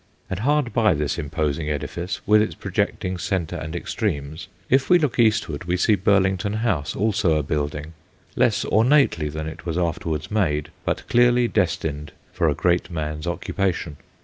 And hard by this im posing edifice, with its projecting centre IN 1664 9 and Extremes, if we look eastwards we see Burlington House also a building, less ornately than it was afterwards made, but clearly destined for a great man's occupation.